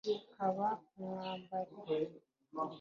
nkaba umwambari.